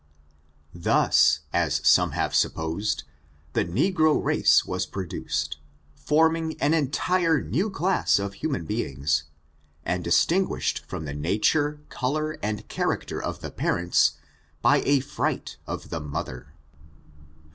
Thus, as some have supposed, the negro race was produced, forming an entire new class of human beings, and distinguished from the nature, color, and character of the parents, by a fright of the mother.